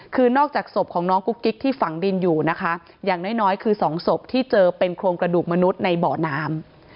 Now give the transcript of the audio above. คือนอกจากศพของน้องกุ๊กกิ๊กที่ฝังดินอยู่นะคะอย่างน้อยคือสองศพที่เจอเป็นโครงกระดูกมนุษย์ในบ่อน้ำ